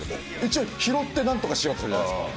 一応拾ってなんとかしようとするじゃないですか。